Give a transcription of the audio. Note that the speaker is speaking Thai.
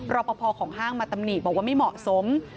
รอปภของห้างมาตำหนิบอกว่าไม่เหมาะสม